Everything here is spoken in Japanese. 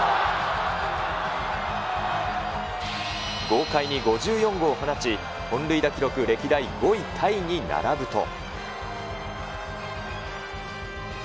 豪快に５４号を放ち、本塁打記録、歴代５位タイに並ぶと。